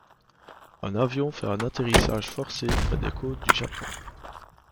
Un avion fait un atterrissage forcé près des côtes du Japon.